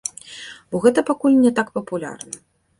Бо гэта пакуль не так папулярна.